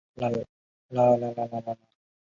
阿布哈兹人民议会是阿布哈兹的国家立法机关。